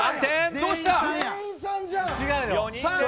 どうした？